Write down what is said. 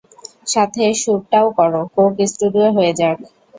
সাথে সুরটাও করো, Coke studio হয়ে যাক?